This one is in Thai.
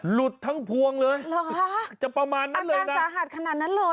หลุดทั้งพวงเลยจะประมาณนั้นเลยนะอันด้านสาหัสขนาดนั้นเลย